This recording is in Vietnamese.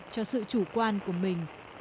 cho sự chủ quan của mình